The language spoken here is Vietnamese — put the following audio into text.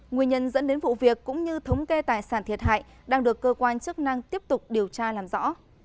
nguyên nhân dẫn đến vụ việc cũng như thống kê tài sản thiệt hại đang được cơ quan chức năng tiếp tục điều tra làm rõ